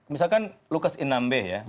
misalkan lukas inambe ya